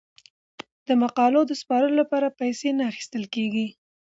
د مقالو د سپارلو لپاره پیسې نه اخیستل کیږي.